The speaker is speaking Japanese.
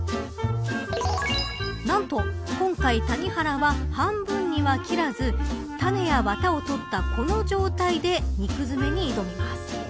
なんと今回、谷原は半分には切らずタネやワタを取ったこの状態で肉詰めに挑みます。